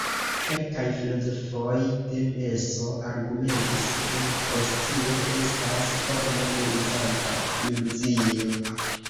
Kelkaj filozofoj de menso argumentis ke konscio estas formo de uzanta iluzio.